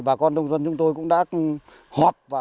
bộ phim của chúng tôi hôm nay